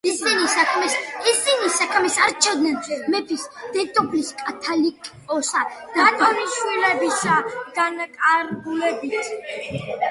ისინი საქმეს არჩევდნენ მეფის, დედოფლის, კათალიკოსისა და ბატონიშვილების განკარგულებით.